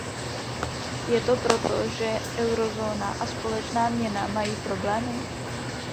Je to proto, že eurozóna a společná měna mají problémy?